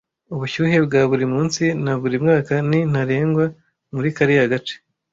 Ubushyuhe bwa buri munsi na buri mwaka ni ntarengwa muri kariya gace